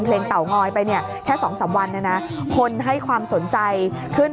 เพลงเต่าง้อยไปเนี่ยแค่สองสามวันนะคนให้ความสนใจขึ้น